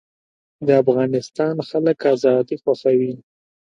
د افغانستان خلک ازادي خوښوي